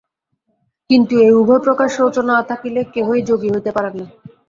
কিন্তু এই উভয় প্রকার শৌচ না থাকিলে কেহই যোগী হইতে পারেন না।